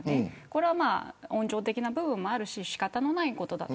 これは温情的な部分もあるし仕方のないことだ。